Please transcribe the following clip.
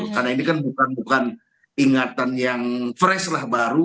karena ini kan bukan ingatan yang fresh lah baru